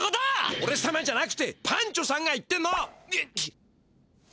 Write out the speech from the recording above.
おれさまじゃなくてパンチョさんが言ってんの！